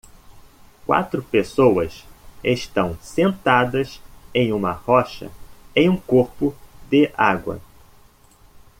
Quatro pessoas estão sentadas em uma rocha em um corpo de água.